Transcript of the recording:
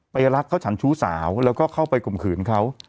รักเขาฉันชู้สาวแล้วก็เข้าไปข่มขืนเขา